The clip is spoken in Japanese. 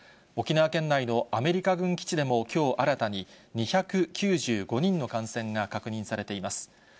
沖縄県内のアメリカ軍基地でも、きょう新たに２９５人の感染が確認されています。